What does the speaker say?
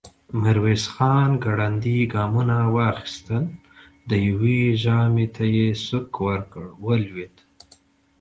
ميرويس خان ګړندي ګامونه واخيستل، د يوه ژامې ته يې سوک ورکړ، ولوېد.